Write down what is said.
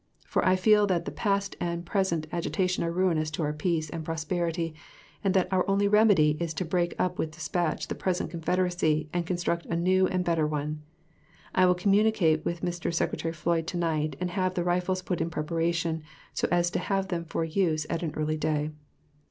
For I feel that the past and present agitation are ruinous to our peace and prosperity and that our only remedy is to break up with dispatch the present Confederacy and construct a new and better one. I will communicate with Mr. Secretary Floyd to night and have the rifles put in preparation so as to have them for use at an early day....